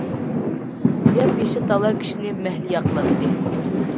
ياپيېشىل تاغلار كىشىنى مەھلىيا قىلاتتى.